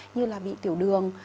như là bị tiểu đường